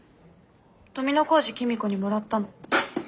富小路公子にもらったの。